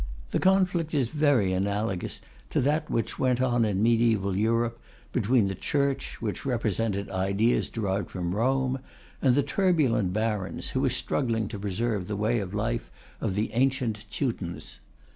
The conflict is very analogous to that which went on in mediæval Europe between the Church, which represented ideas derived from Rome, and the turbulent barons, who were struggling to preserve the way of life of the ancient Teutons.